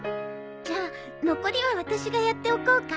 じゃあ残りは私がやっておこうか？